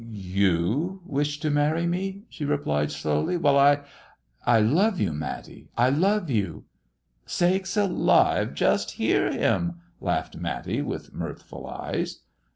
" You wish to marry me 1 " she replied, slowly. " Well, I "" I love you, Matty I I love you !"" Sakes alive, just hear him 1 " laughed Matty, with mirthful eyes.